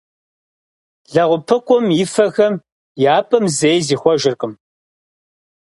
Лэгъупыкъум и фэхэм я пӏэм зэи зихъуэжыркъым.